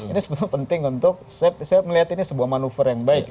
ini sebetulnya penting untuk saya melihat ini sebuah manuver yang baik